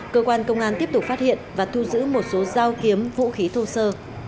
cơ quan công an tiếp tục phát hiện và thu giữ một số dao kiếm vũ khí thô sơ